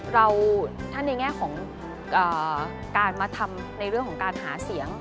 เราถ้าในแง่ของการมาทำในเรื่องของการหาเสียง